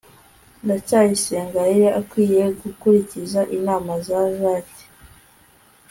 ndacyayisenga yari akwiye gukurikiza inama za jaki